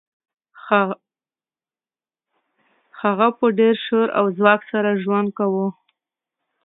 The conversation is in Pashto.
هغه په ډیر شور او ځواک سره ژوند کاوه